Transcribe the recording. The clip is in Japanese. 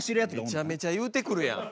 めちゃめちゃ言うてくるやん。